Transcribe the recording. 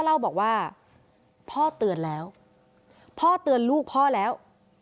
เล่าบอกว่าพ่อเตือนแล้วพ่อเตือนลูกพ่อแล้ว